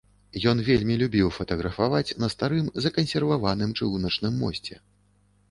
Ён вельмі любіў фатаграфаваць на старым закансерваваным чыгуначным мосце.